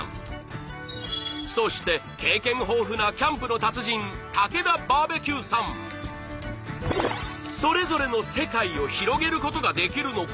そして経験豊富なそれぞれの世界を広げることができるのか？